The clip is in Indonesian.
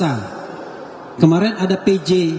yang namanya ada pj